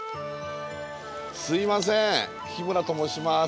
すいません日村と申します。